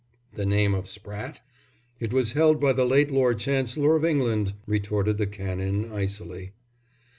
"The name of Spratte?" "It was held by the late Lord Chancellor of England," retorted the Canon, icily.